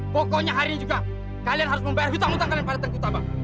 pokoknya hari ini juga kalian harus membayar hutang hutang kalian pada tengkutama